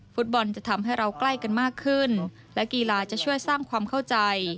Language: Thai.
ฟุตบอลจะทำให้เราใกล้กันมากขึ้นและกีฬาจะช่วยสร้างความเข้าใจ